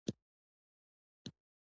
چې په بېړه ولاړ شو، لمر کوښښ کاوه.